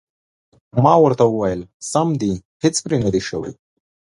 ما ورته وویل: سم دي، هېڅ پرې نه دي شوي.